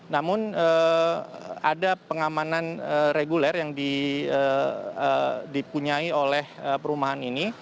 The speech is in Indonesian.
namun ada pengamanan reguler yang dipunyai oleh perumahan ini